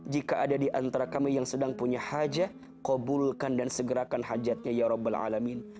jika ada di antara kami yang sedang punya hajat kobulkan dan segerakan hajatnya ya rabbil alamin